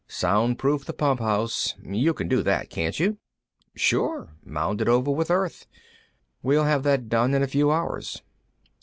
"Soundproof the pump house. You can do that, can't you?" "Sure. Mound it over with earth. We'll have that done in a few hours."